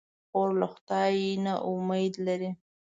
خور له خدای نه امید لري.